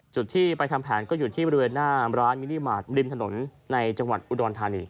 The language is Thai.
จุดที่ไปทำแผนก็อยู่ที่บริเวณหน้าร้านมินิมาตรริมถนนในจังหวัดอุดรธานี